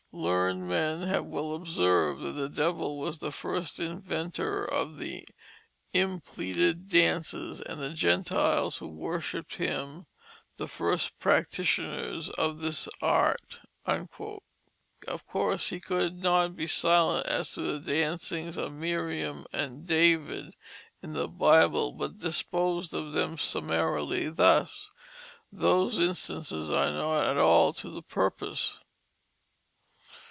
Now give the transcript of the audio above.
Learned men have well observed that the Devil was the First Inventor of the impleaded Dances, and the Gentiles who worshipped him the first Practitioners of this Art." Of course he could not be silent as to the dancings of Miriam and David in the Bible, but disposed of them summarily thus, "Those Instances are not at all to the Purpose."